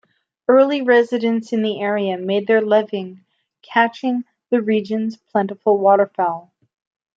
Early residents in the area made their living catching the region's plentiful waterfowl.